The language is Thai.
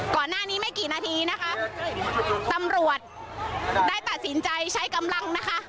ก่อนหน้านี้ไม่กี่นาทีนะคะตำรวจได้ตัดสินใจใช้กำลังนะคะ